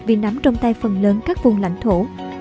vì nắm trong tay phần lớn các vùng lãnh thổ